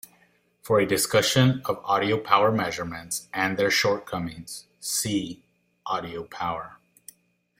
For a discussion of audio power measurements and their shortcomings, see Audio power.